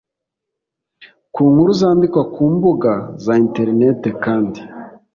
Ku nkuru zandikwa ku mbuga za Internet kandi